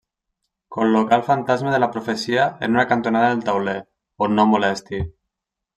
Col·locar el fantasma de la profecia en una cantonada del tauler, on no molesti.